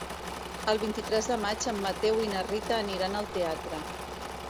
El vint-i-tres de maig en Mateu i na Rita aniran al teatre.